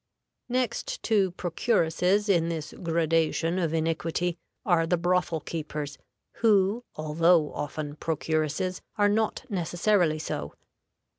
Next to procuresses in this gradation of iniquity are the brothel keepers, who, although often procuresses, are not necessarily so.